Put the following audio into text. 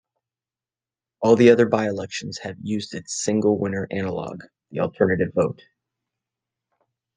All the other by-elections have used its single-winner analogue, the alternative vote.